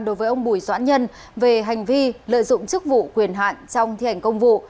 đối với ông bùi doãn nhân về hành vi lợi dụng chức vụ quyền hạn trong thi hành công vụ